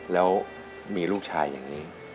แล้วมีลูกชายอย่างนี้